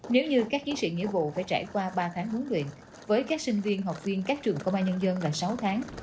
nếu như các chiến sĩ nghĩa vụ phải trải qua ba tháng huấn luyện với các sinh viên học viên các trường công an nhân dân gần sáu tháng